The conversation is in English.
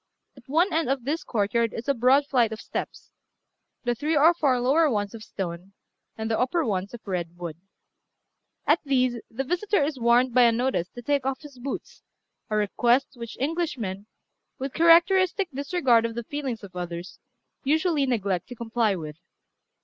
At one end of this courtyard is a broad flight of steps the three or four lower ones of stone, and the upper ones of red wood. At these the visitor is warned by a notice to take off his boots, a request which Englishmen, with characteristic disregard of the feelings of others, usually neglect to comply with.